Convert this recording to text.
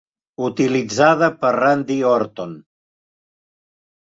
Utilitzada per Randy Orton.